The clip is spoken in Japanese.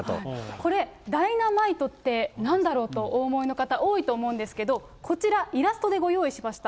これ、ダイナマイトってなんだろうとお思いの方、多いと思うんですけど、こちら、イラストでご用意しました。